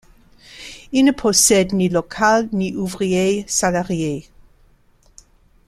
Ils ne possèdent ni local ni ouvriers salariés.